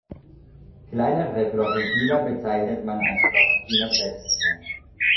Kleinere Florentiner bezeichnet man als Florentiner Plätzchen.